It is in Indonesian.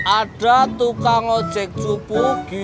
ada tukang ojek cupu